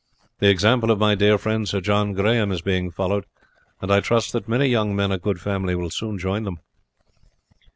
The example of my dear friend, Sir John Grahame, is being followed; and I trust that many young men of good family will soon join them."